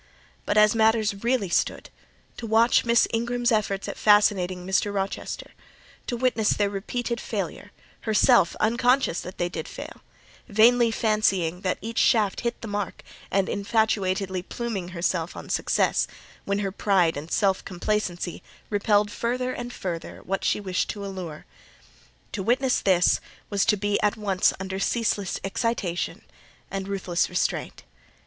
But as matters really stood, to watch Miss Ingram's efforts at fascinating Mr. Rochester, to witness their repeated failure—herself unconscious that they did fail; vainly fancying that each shaft launched hit the mark, and infatuatedly pluming herself on success, when her pride and self complacency repelled further and further what she wished to allure—to witness this, was to be at once under ceaseless excitation and ruthless restraint.